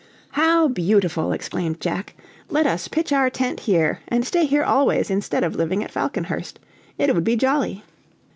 "How beautiful!" exclaimed Jack, "let us pitch our tent here and stay here always instead of living at Falconhurst. It would be jolly."